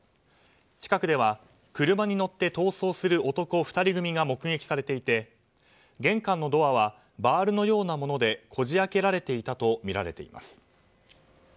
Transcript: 近くでは車に乗って逃走する男２人組が目撃されていて、玄関のドアはバールのようなものでこじ開けられていたとみられています。